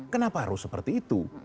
kenapa harus seperti itu